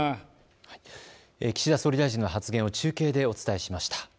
岸田総理大臣の発言を中継でお伝えしました。